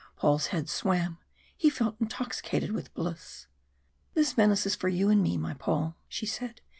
Paul's head swam, he felt intoxicated with bliss. "This Venice is for you and me, my Paul," she said.